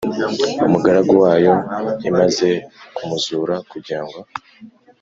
Umugaragu wayo imaze kumuzura kugira ngo